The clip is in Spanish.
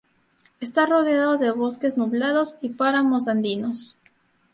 Está rodeado de bosques nublados y páramos andinos.